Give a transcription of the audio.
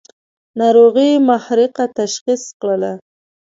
ناروغي محرقه تشخیص کړه.